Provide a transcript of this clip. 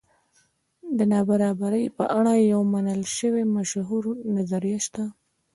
د نابرابرۍ په اړه یوه منل شوې مشهوره نظریه شته.